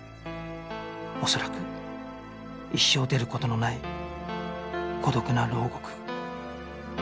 恐らく一生出る事のない孤独な牢獄